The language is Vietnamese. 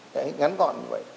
đấy ngắn gọn như vậy